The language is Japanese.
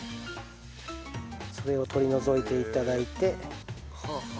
それを取り除いて頂いて。